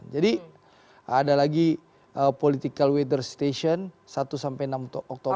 jadi ada lagi political weather station satu sampai enam oktober